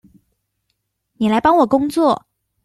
妳來幫我工作